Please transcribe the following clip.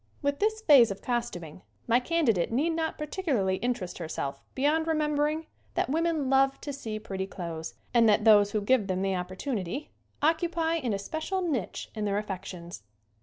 With this phase of costuming my candidate need not particularly interest herself beyond remembering that women love to see pretty clothes and that those who give them the op portunity occupy an especial niche in their af fections.